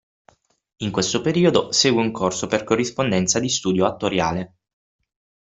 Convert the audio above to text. In questo periodo segue un corso per corrispondenza di studio attoriale.